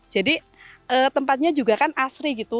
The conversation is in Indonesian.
jadi tempatnya juga kan asli gitu